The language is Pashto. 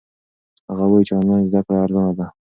هغه وایي چې آنلاین زده کړه ارزانه ده.